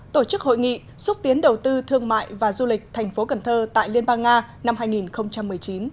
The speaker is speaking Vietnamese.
tổ chức hội nghị xúc tiến đầu tư thương mại và du lịch thành phố cần thơ tại liên bang nga năm hai nghìn một mươi chín